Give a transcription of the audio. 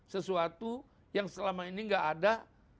sesuatu yang selama ini nggak ada